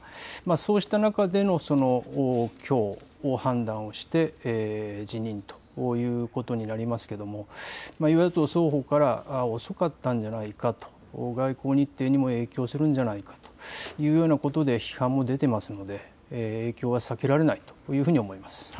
そうした中でのきょう、判断をして、辞任ということになりますけれども、与野党双方から遅かったんじゃないかと、外交日程にも影響するんじゃないかというようなことで批判も出てますので、影響は避けられないというふうに思います。